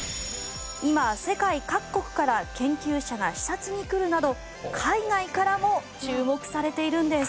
今世界各国から研究者が視察に来るなど海外からも注目されているんです。